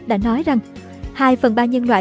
đã nói rằng hai phần ba nhân loại